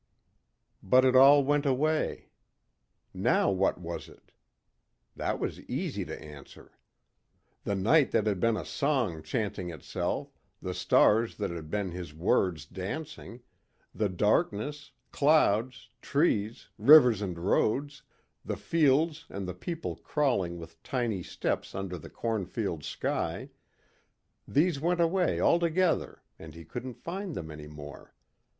But it all went away. Now what was it? That was easy to answer. The night that had been a song chanting itself, the stars that had been his words dancing, the darkness, clouds, trees, river and roads, the fields and the people crawling with tiny steps under the cornfield sky these went away all together and he couldn't find them any more.